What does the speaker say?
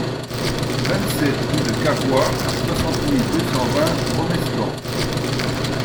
vingt-sept rue de Carroix, soixante mille deux cent vingt Romescamps